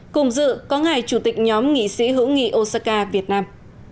cùng dự có ngài chủ tịch nhóm nghị sĩ hữu nghị osaka việt nam